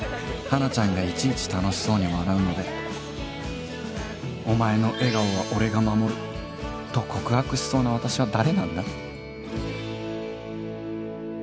花ちゃんがいちいち楽しそうに笑うのでと告白しそうな私は誰なんだ？